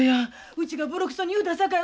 うちがぼろくそに言うたさかい。